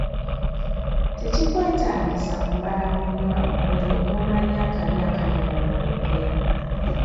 Tekikwetaagisa kumala kunywa olyoke omanye akabi akali mu mwenge.